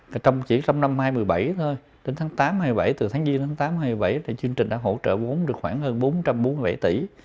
trong chỉ trong năm hai nghìn một mươi bảy thôi đến tháng tám hai mươi bảy từ tháng giê đến tháng tám hai nghìn một mươi bảy thì chương trình đã hỗ trợ vốn được khoảng hơn bốn trăm bốn mươi bảy tỷ